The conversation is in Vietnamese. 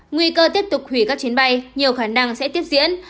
nguy cơ tiếp tục hủy các chuyến bay nhiều khả năng sẽ tiếp diễn